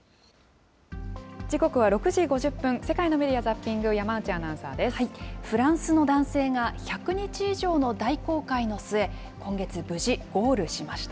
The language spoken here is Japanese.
時刻は６時５０分、世界のメディア・ザッピング、山内アナウフランスの男性が１００日以上の大航海の末、今月、無事ゴールしました。